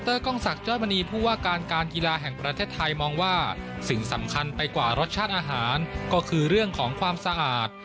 กล้องศักดิ้นมณีผู้ว่าการการกีฬาแห่งประเทศไทยมองว่าสิ่งสำคัญไปกว่ารสชาติอาหารก็คือเรื่องของความสะอาด